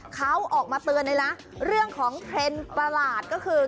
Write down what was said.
เขาออกมาเตือนเลยนะเรื่องของเทรนด์ประหลาดก็คือ